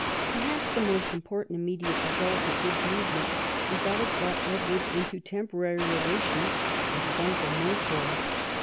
Perhaps the most important immediate result of this move ment was that it brought Edward into temporary relations Avith his uncle Montfort.